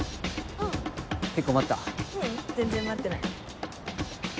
ううん全然待ってない。